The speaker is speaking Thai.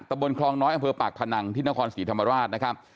บนคลองน้อยอำเภอปากพนังที่นครศรีธรรมราชนะครับ